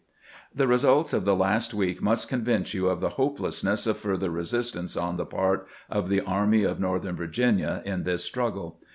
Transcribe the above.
: The results of tlie last week must convince you of the hope lessness of further resistance on the part of the Army of North ern Virginia in this struggle.